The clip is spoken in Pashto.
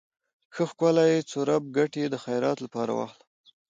ښه ښکلے څورب کټے د خيرات لپاره واخله۔